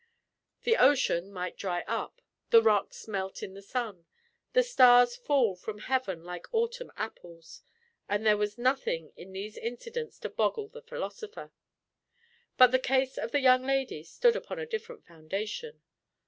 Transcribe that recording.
The ocean might dry up, the rocks melt in the sun, the stars fall from heaven like autumn apples; and there was nothing in these incidents to boggle the philosopher. But the case of the young lady stood upon a different foundation.